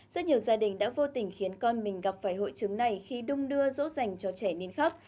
rất nhiều gia đình đã vô tình khiến con mình gặp vài hội chứng này khi đung đưa dỗ dành cho trẻ nên khóc